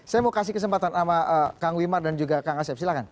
saya mau kasih kesempatan sama kang wimar dan juga kang asep silahkan